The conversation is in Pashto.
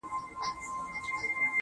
شراب نوشۍ کي مي له تا سره قرآن کړی دی~